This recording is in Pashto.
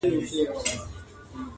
ډېر هوښیار وو ډېري ښې لوبي یې کړلې،